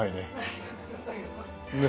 ありがとうございます。